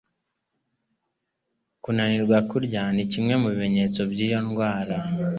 Kunanirwa kurya ni kimwe mu bimenyetso byiyo ndwara